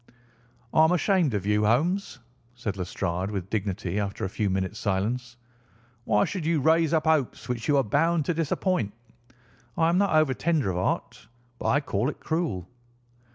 "I am ashamed of you, Holmes," said Lestrade with dignity after a few minutes' silence. "Why should you raise up hopes which you are bound to disappoint? I am not over tender of heart, but I call it cruel."